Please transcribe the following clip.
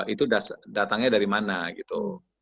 itu datangnya dari mana gitu